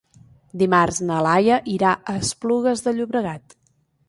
Dimarts na Laia irà a Esplugues de Llobregat.